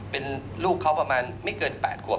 เป็นลูกเขาประมาณไม่เกิน๘ขวบ